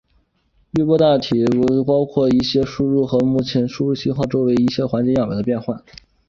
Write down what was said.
滤波大体上包括对于目前输入或者输出信号周围一些环境样本的变换。